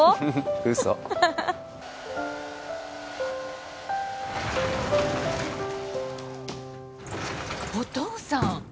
ウソお父さん！